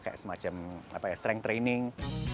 yang apa ya strength training